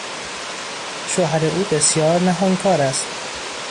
شوهر او بسیار نهانکار است.